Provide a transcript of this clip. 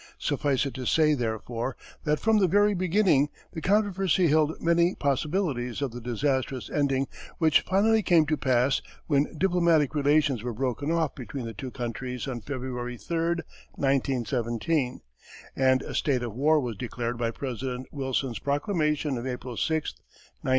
Suffice it to say, therefore, that from the very beginning the controversy held many possibilities of the disastrous ending which finally came to pass when diplomatic relations were broken off between the two countries on February 3, 1917, and a state of war was declared by President Wilson's proclamation of April 6, 1917.